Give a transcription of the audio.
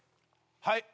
はい。